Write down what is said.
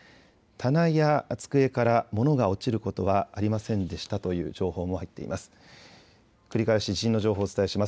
棚や机から物が落ちることはありませんでしたという情報も入っています。